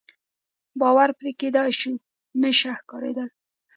باور پرې کېدای شو، نشه ښکارېدل.